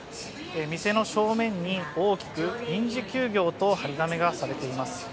店の正面に大きく「臨時休業」と貼り紙がされています。